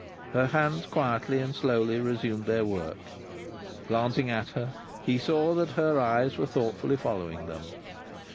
Her hands quietly and slowly resumed their work. Glancing at her, he saw that her eyes were thoughtfully following them.